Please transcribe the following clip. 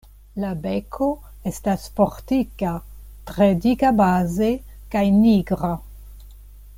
La beko estas fortika, tre dika baze kaj nigra.